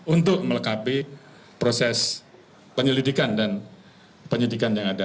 untuk melekapi proses penyelidikan dan penyelidikan yang ada